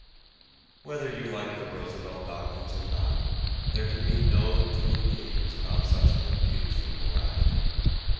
Whether you like the Roosevelt doctrines or not, there can be no two opinions about such an abuse of morality.